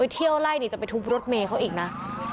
เที่ยวไล่จะไปทุบรถเมย์เขาอีกนะ